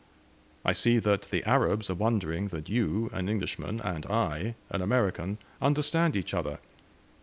I see that the Arabs are wondering that you, an Englishman, and I, an American, understand each other.